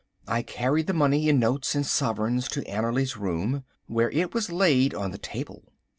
I carried the money in notes and sovereigns to Annerly's room, where it was laid on the table.